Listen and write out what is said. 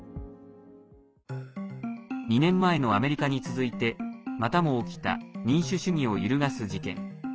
２年前のアメリカに続いてまたも起きた民主主義を揺るがす事件。